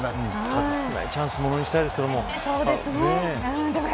数少ないチャンスものにしたいですけれども。